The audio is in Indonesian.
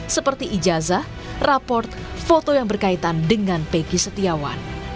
seperti ijazah raport foto yang berkaitan dengan peki setiawan